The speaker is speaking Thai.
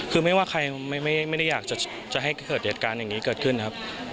คือไม่ว่าใครไม่ได้อยากจะให้เกิดเหตุการณ์อย่างนี้เกิดขึ้นครับ